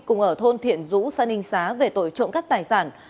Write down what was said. cùng ở thôn thiện dũ sân ninh xá về tội trộm các tài sản